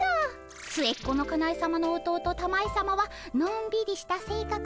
末っ子のかなえさまの弟たまえさまはのんびりしたせいかく。